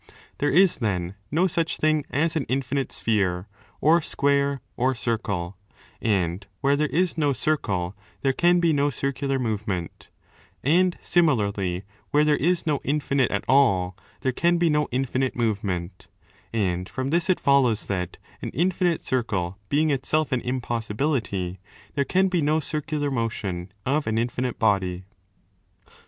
There is then no such thing as an infinite sphere or square or circle, and where there is no circle there can be no circular movement, and similarly where there is no infinite at all there can be no infinite movement; and from this it follows that, an infinite circle being itself an impossibility, there can be no circular motion of an infinite body.